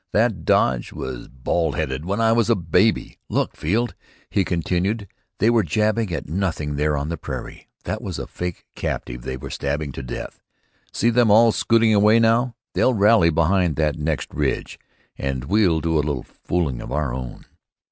"That dodge was bald headed when I was a baby. Look, Field," he continued. "They were jabbing at nothing there on the prairie. That was a fake captive they were stabbing to death. See them all scooting away now. They'll rally beyond that next ridge, and we'll do a little fooling of our own."